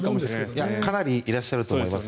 かなりいらっしゃると思います。